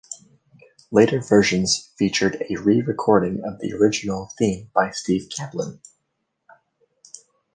Later versions featured a re-recording of the original theme by Steve Kaplan.